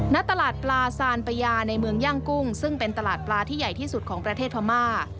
ณตลาดปลาซานปะยาในเมืองย่างกุ้งซึ่งเป็นตลาดปลาที่ใหญ่ที่สุดของประเทศพม่า